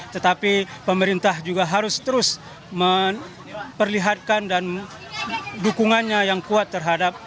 dan kita juga harus terus memperlihatkan dan dukungannya yang kuat terhadap